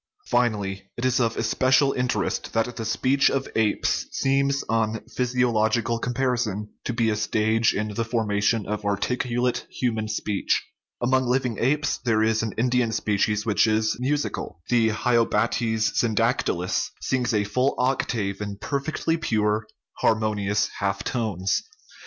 Finally, it is of especial interest that the speech of apes seems on physiological comparison to be a stage in the formation of articulate human speech. Among living apes there is an Indian species which is musical ; the hylobates syndactylus sings a full octave in per fectly pure, harmonious half tones.